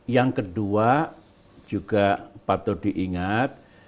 yang kedua juga patut diingat